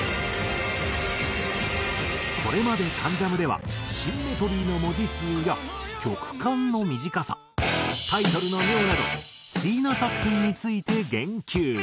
これまで『関ジャム』ではシンメトリーの文字数や曲間の短さタイトルの妙など椎名作品について言及。